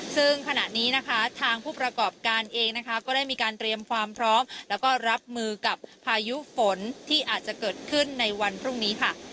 ซึ่งขณะนี้นะคะทางผู้ประกอบการเองนะคะก็ได้มีการเตรียมความพร้อมแล้วก็รับมือกับพายุฝนที่อาจจะเกิดขึ้นในวันพรุ่งนี้ค่ะ